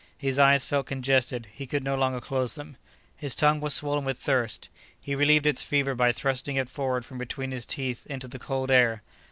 His eyes felt congested; he could no longer close them. His tongue was swollen with thirst; he relieved its fever by thrusting it forward from between his teeth into the cold air.